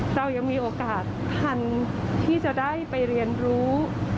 เรายังมีโอกาสทันที่จะได้ไปเรียนรู้